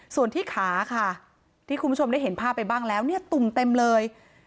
ส่วนที่ขาค่ะที่คุณผู้ชมได้เห็นภาพไปบ้างแล้วเนี่ยตุ่มเต็มเลย